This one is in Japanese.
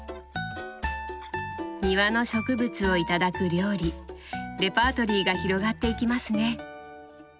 庭の植物を頂く料理レパートリーが広がっていきますね。